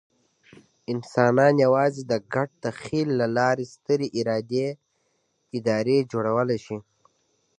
انسانان یواځې د ګډ تخیل له لارې سترې ادارې جوړولی شي.